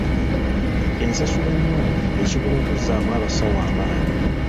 Ensasula ennungi esobola okuzzaamu abasawo amaanyi .